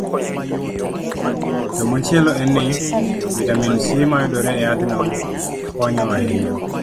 To machielo en ni, vitamin C ma yudore e yadhno konyo ahinya